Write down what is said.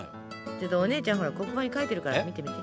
ちょっとお姉ちゃん黒板に書いてるから見てみて。